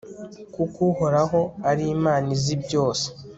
kuko uhoraho ari imana izi byose